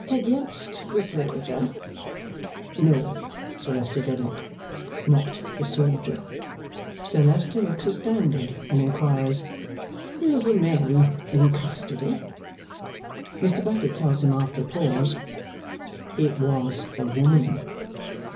"Against the soldier?" "No, Sir Leicester Dedlock; not the soldier." Sir Leicester looks astounded and inquires, "Is the man in custody?" Mr. Bucket tells him, after a pause, "It was a woman."